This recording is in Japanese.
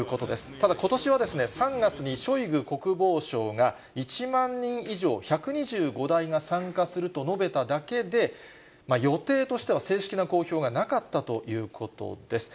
ただ、ことしは３月にショイグ国防相が１万人以上、１２５台が参加すると述べただけで、予定としては正式の公表がなかったということです。